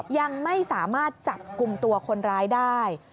ยังไม่สามารถจับกลุ่มตัวคนร้ายได้